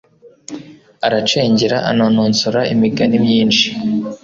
aracengera, anonosora imigani myinshi